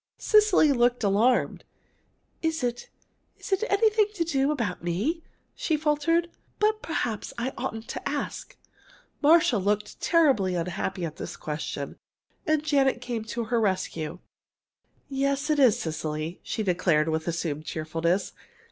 Cecily looked alarmed. "Is it is it anything about me?" she faltered. "But perhaps I oughtn't to ask." Marcia looked terribly unhappy at this question, and Janet came to her rescue. "Yes, it is, Cecily," she declared with assumed cheerfulness.